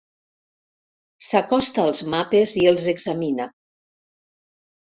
S'acosta als mapes i els examina.